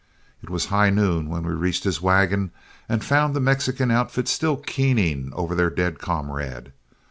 It was high noon when we reached his wagon and found the Mexican outfit still keening over their dead comrade.